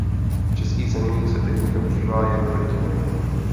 V českých zemích se technika užívá jen ojediněle.